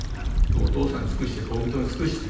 お父さんに尽くして恋人に尽くして。